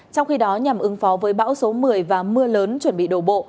trong khi đó nhằm ứng phó với bão số một mươi và mưa lớn chuẩn bị đổ bộ